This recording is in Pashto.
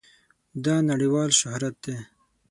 دا نړېوال شهرت دی.